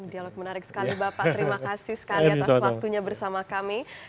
dialog menarik sekali bapak terima kasih sekali atas waktunya bersama kami